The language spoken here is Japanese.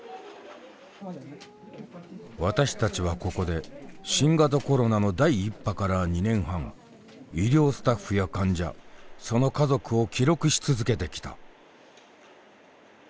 私たちはここで新型コロナの第１波から２年半医療スタッフや患者その家族を記録し続けてきた。